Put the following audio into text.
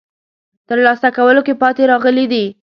ترلاسه کولو کې پاتې راغلي دي.